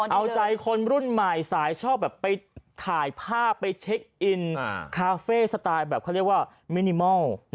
เอาใจคนรุ่นใหม่สายชอบแบบไปถ่ายภาพไปเช็คอินคาเฟ่สไตล์แบบเขาเรียกว่ามินิมอล